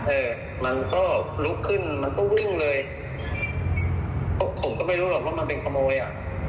เออมันก็ลุกขึ้นมันก็วิ่งเลยผมก็ไม่รู้หรอกว่ามันเป็นขโมยอ่ะ